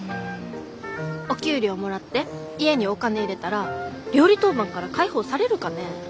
お給料もらって家にお金入れたら料理当番から解放されるかね。